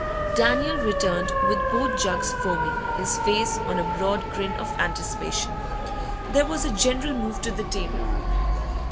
Daniel returned with both jugs foaming, his face on a broad grin of anticipation. There was a general move to the table.